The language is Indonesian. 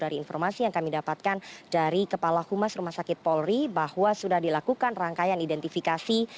dari informasi yang kami dapatkan dari kepala humas rumah sakit polri bahwa sudah dilakukan rangkaian identifikasi